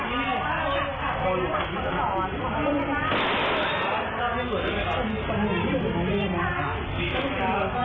อืม